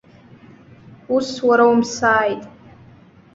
Ус уара умсааит!